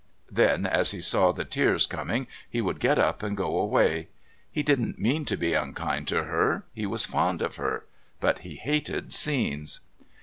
Then as he saw the tears coming he would get up and go away. He didn't mean to be unkind to her; he was fond of her but he hated scenes.